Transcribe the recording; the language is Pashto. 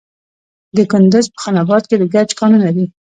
د کندز په خان اباد کې د ګچ کانونه دي.